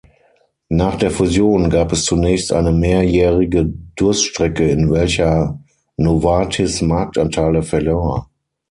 Nach der Fusion gab es zunächst eine mehrjährige Durststrecke, in welcher Novartis Marktanteile verlor.